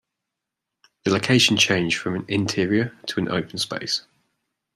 The location changed from an interior to an open space.